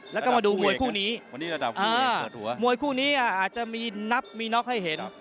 แล้วคู่นี้อาจจะมีนับมีน็อคให้เห็น